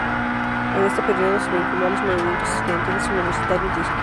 En este período se vinculó a los movimientos estudiantiles universitarios de izquierda.